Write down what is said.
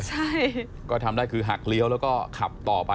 ใช่ก็ทำได้คือหักเลี้ยวแล้วก็ขับต่อไป